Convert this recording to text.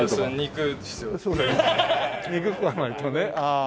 肉食わないとね。